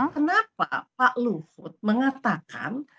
kenapa pak luhut mengatakan